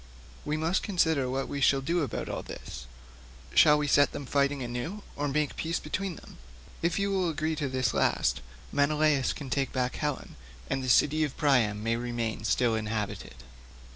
We must consider what we shall do about all this; shall we set them fighting anew or make peace between them? If you will agree to this last Menelaus can take back Helen and the city of Priam may remain still inhabited."